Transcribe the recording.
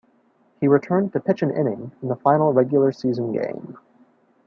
He returned to pitch an inning in the final regular season game.